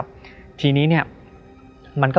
เพื่อที่จะให้แก้วเนี่ยหลอกลวงเค